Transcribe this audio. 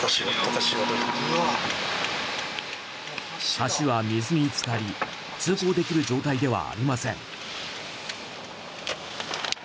橋は水に浸かり通行できる状態ではありません。